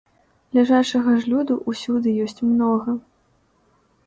Ляжачага ж люду усюды ёсць многа!